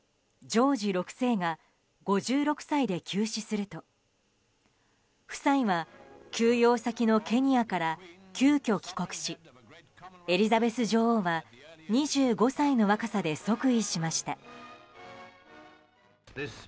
ジョージ６世が５６歳で急死すると夫妻は休養先のケニアから急きょ帰国しエリザベス女王は２５歳の若さで即位しました。